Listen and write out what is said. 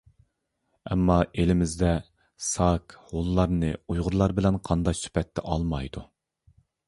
ئەمما ئېلىمىزدە ساك، ھونلارنى ئۇيغۇرلار بىلەن قانداش سۈپەتتە ئالمايدۇ.